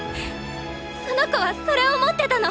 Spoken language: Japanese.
その子はそれを持ってたの。